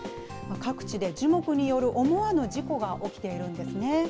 各地で樹木による思わぬ事故が起きているんですね。